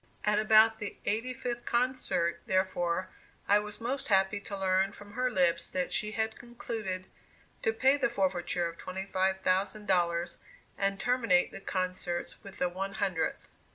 At about the eighty fifth concert, therefore, I was most happy to learn from her lips that she had concluded to pay the forfeiture of twenty five thousand dollars, and terminate the concerts with the one hundredth.